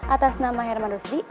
atas nama herman rusdi